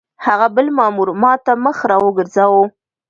هغه بل مامور ما ته مخ را وګرځاوه.